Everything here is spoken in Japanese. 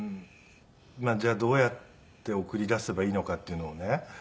じゃあどうやって送り出せばいいのかっていうのをね。